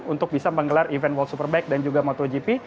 untuk bisa menggelar event world superbike dan juga motogp